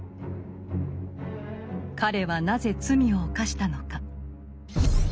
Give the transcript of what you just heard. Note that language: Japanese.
彼はなぜ罪を犯したのか？